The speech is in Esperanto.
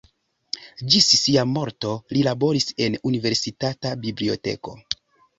Ĝis sia morto li laboris en Universitata Biblioteko.